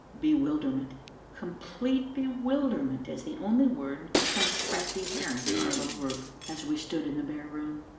Bewilderment, complete bewilderment, is the only word which can express the appearance of our little group, as we stood in the bare room.